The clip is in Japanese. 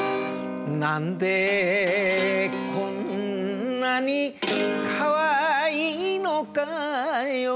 「なんでこんなに可愛いのかよ」